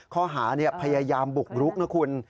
ข้อหาพยายามบุกรุกนะคุณ